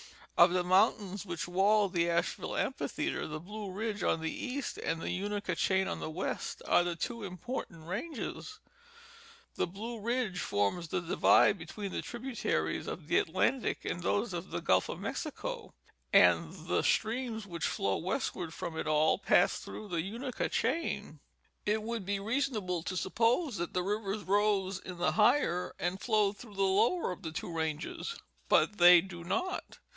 Of the mountains which wall the Ashe ville amphitheatre, the Blue Ridge on the east and the TJnaka chain on the west are the two important ranges. The Blue Ridge forms the divide between the tributaries of the Atlantic and those of the Gulf of Mexico, and the streams which flow westward from it all pass through the Unaka chain. It would be reasonable to suppose that the rivers rose in the higher and flowed through the lower of the two ranges, but they do not.